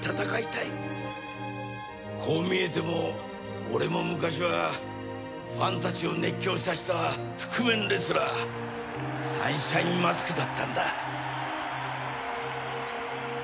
こう見えても俺も昔はファンたちを熱狂させた覆面レスラーサンシャインマスクだったんだ。